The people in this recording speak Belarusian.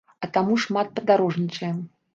А таму шмат падарожнічаем.